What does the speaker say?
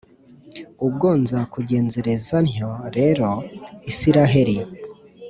Ubwo nzakugenzereza ntyo rero, Israheli,